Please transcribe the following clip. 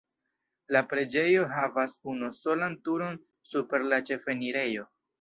La preĝejo havas unusolan turon super la ĉefenirejo.